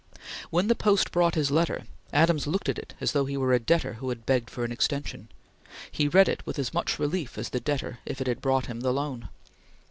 When the post brought his letter, Adams looked at it as though he were a debtor who had begged for an extension. He read it with as much relief as the debtor, if it had brought him the loan.